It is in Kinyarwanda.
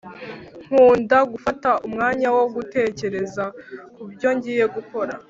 Nkunda gufata umwanya wo gutekereza kubyo ngiye gukora